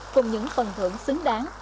cùng những phần thưởng xứng đáng